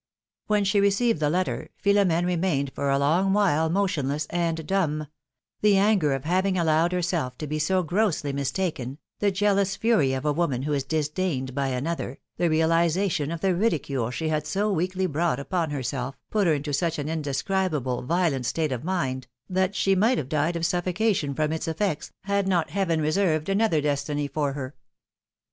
When she received the letter, Philom^ne remained for a long while motionless and dumb ; the anger of having allowed herself to be so grossly mistaken, the jealous fury of a woman who is disdained for another, the realization of the ridicule she had so weakly brought upon herself, put her into such an indescribable, violent state of mind, that she might have died of suffocation from its effects, had not Heaven reserved another destiny for her.